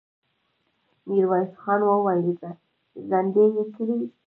ميرويس خان وويل: زندۍ يې کړئ!